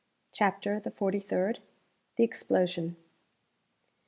CHAPTER THE FORTY THIRD. THE EXPLOSION.